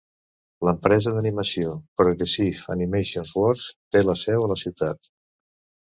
L'empresa d'animació Progressive Animation Works té la seu a la ciutat.